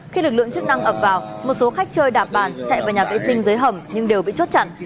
khi lực lượng chức năng ập vào một số khách chơi đạp bàn chạy vào nhà vệ sinh dưới hầm nhưng đều bị chốt chặn